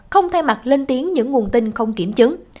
không thay mặt lên tiếng những nguồn tin không kiểm chứng